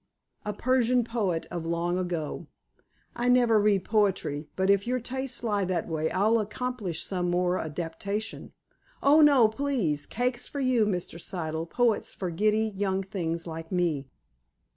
"A Persian poet of long ago." "I never read poetry. But, if your tastes lie that way, I'll accomplish some more adaptation." "Oh, no, please. Cakes for you, Mr. Siddle; poets for giddy young things like me."